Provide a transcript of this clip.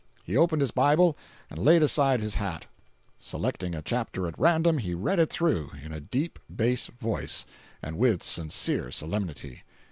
He opened his Bible, and laid aside his hat. Selecting a chapter at random, he read it through, in a deep bass voice and with sincere solemnity.